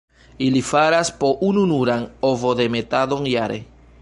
Ili faras po ununuran ovodemetadon jare.